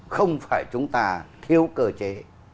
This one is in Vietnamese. không phải chúng ta thiếu cơ chế